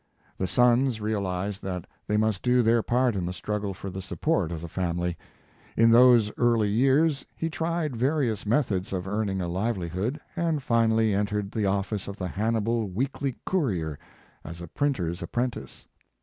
The sons realized that they must do their part in the struggle for the support of the family. In those early years he tried various methods of earning a livelihood, and finally entered the office of the Hannibal Weekly Courier, as a printer s apprentice.